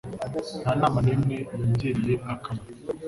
Nta nama n'imwe yagiriye akamaro.